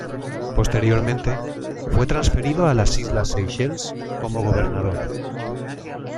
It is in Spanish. Posteriormente, fue transferido a las islas Seychelles como Gobernador.